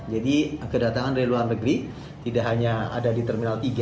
jadi kedatangan dari luar negeri tidak hanya ada di terminal tiga